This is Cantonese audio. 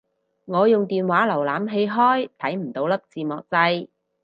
我用電話瀏覽器開睇唔到粒字幕掣